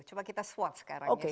coba kita swalt sekarang ya